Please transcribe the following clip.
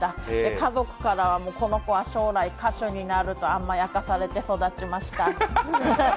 家族からは、この子は将来歌手になると甘やかされて育ちました。